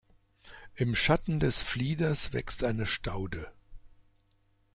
Im Schatten des Flieders wächst eine Staude.